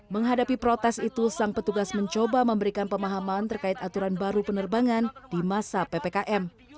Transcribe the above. menghadapi protes itu sang petugas mencoba memberikan pemahaman terkait aturan baru penerbangan di masa ppkm